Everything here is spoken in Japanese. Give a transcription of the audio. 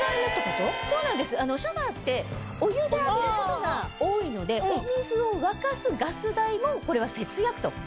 シャワーってお湯で浴びることが多いのでお水を沸かすガス代もこれは節約ということですよね。